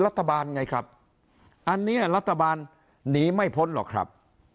รัฐบาลไงครับอันนี้รัฐบาลหนีไม่พ้นหรอกครับ